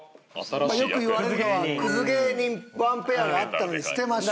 まあよく言われるのは「クズ芸人１ペア」があったのに捨てました。